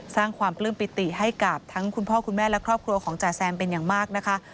สร้างความปลื้มปิติให้กับทั้งคุณพ่อคุณแม่และครอบครัวของจ่าแซมเป็นอย่างมากนะคะ